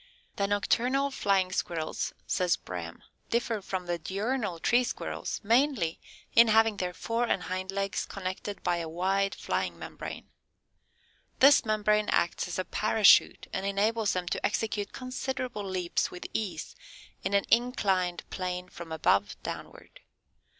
The nocturnal Flying Squirrels, says Brehm, differ from the diurnal Tree Squirrels mainly in having their fore and hind legs connected by a wide flying membrane. This membrane acts as a parachute, and enables them to execute considerable leaps with ease, in an inclined plane from above downward.